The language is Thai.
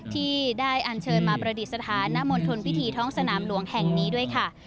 ที่ได้อันเชิญมาประดิษฐานณมณฑลพิธีท้องสนามหลวงแห่งนี้ด้วยค่ะ